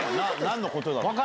何のことだろう？